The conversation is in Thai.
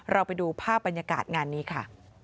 ไปดูภาพบรรยากาศงานนี้ค่ะ